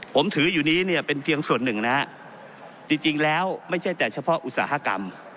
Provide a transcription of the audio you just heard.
ผมถืออยู่นี้เนี่ยเป็นเพียงส่วนหนึ่งนะฮะจริงแล้วไม่ใช่แต่เฉพาะอุตสาหกรรม